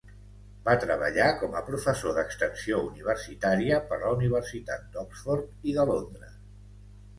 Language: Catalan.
Va treballar com a professor d'extensió universitària per la Universitat d'Oxford i de Londres.